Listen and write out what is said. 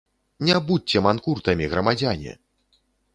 Не будзьце манкуртамі, грамадзяне!